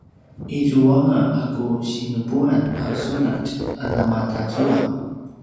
izuanga a ku sinupuan a sunatj a namatazua